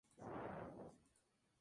Esa fue su última aparición pública.